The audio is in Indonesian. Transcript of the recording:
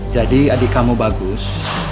jadi adik kamu bagus